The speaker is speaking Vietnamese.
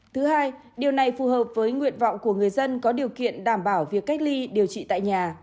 thứ hai điều này phù hợp với nguyện vọng của người dân có điều kiện đảm bảo việc cách ly điều trị tại nhà